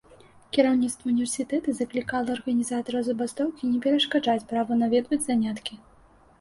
Кіраўніцтва ўніверсітэта заклікала арганізатараў забастоўкі не перашкаджаць праву наведваць заняткі.